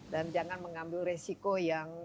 dan jangan mengambil resiko yang